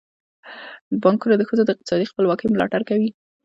بانکونه د ښځو د اقتصادي خپلواکۍ ملاتړ کوي.